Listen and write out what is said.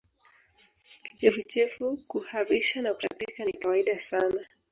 Kichefuchefu kuharisha na kutapika ni kawaida sana